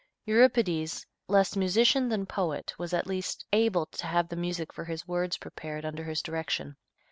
Euripides, less musician than poet, was at least able to have the music for his works prepared under his direction.